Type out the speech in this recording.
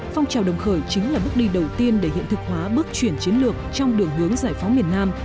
phong trào đồng khởi chính là bước đi đầu tiên để hiện thực hóa bước chuyển chiến lược trong đường hướng giải phóng miền nam